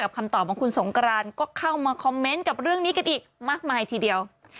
คำตอบของคุณสงกรานก็เข้ามาคอมเมนต์กับเรื่องนี้กันอีกมากมายทีเดียว